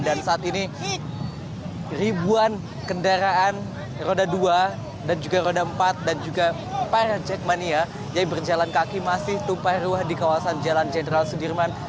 dan saat ini ribuan kendaraan roda dua dan juga roda empat dan juga para jackmania yang berjalan kaki masih tumpah ruah di kawasan jalan jenderal sudirman